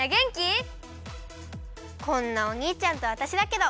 こんなおにいちゃんとわたしだけど。